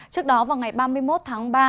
trước đó vào ngày ba mươi một tháng ba